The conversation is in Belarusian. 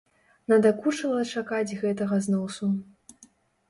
Надакучыла чакаць гэтага зносу.